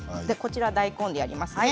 大根でやりますね。